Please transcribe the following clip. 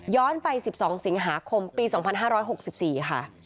ไป๑๒สิงหาคมปี๒๕๖๔ค่ะ